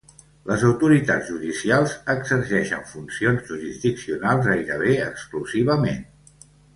Les autoritats judicials exerceixen funcions jurisdiccionals gairebé exclusivament.